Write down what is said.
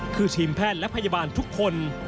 คือทีมแพทย์และพยาบาลทุกคน